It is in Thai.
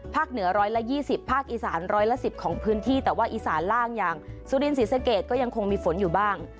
เหนือ๑๒๐ภาคอีสานร้อยละ๑๐ของพื้นที่แต่ว่าอีสานล่างอย่างสุรินศรีสะเกดก็ยังคงมีฝนอยู่บ้าง